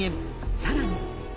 さらに。